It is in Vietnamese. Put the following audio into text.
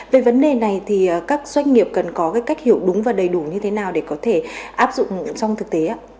về vấn đề này thì các doanh nghiệp cần có cái cách hiểu đúng và đầy đủ như thế nào để có thể áp dụng trong thực tế ạ